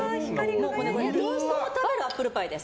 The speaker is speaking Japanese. リンゴを食べるアップルパイです。